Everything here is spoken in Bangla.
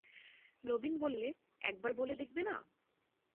নবীন বললে, একবার বলে দেখবে না?